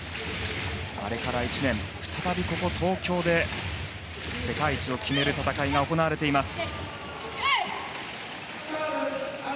あれから１年、再びここ東京で世界一を決める戦いが行われています。